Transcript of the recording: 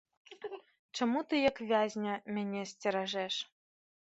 Чаму ты, як вязня, мяне сцеражэш?